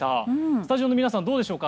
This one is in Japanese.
スタジオの皆さんどうでしょうか？